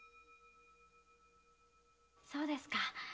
そうですか。